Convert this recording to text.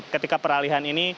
ketika peralihan ini